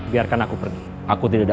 bapak apa yang kamu inginkan